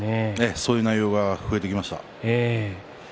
そういう内容が増えていきました。